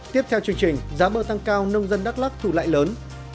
tiếp theo chương trình giá bơ tăng cao nông dân đắk lắc thu lại lớn